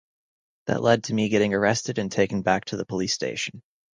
That led to me getting arrested and taken back to the police station.